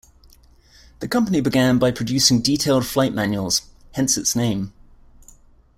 The company began by producing detailed flight manuals, hence its name.